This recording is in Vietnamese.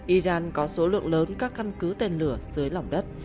iran có số lượng lớn các căn cứ tên lửa dưới lòng đất